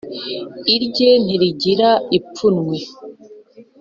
irye ntirigira ipfunwe